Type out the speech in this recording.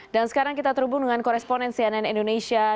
dan sekarang kita terhubung dengan koresponen cnn indonesia